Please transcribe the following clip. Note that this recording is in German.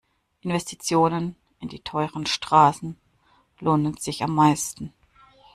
Investitionen in die teuren Straßen lohnen sich am meisten.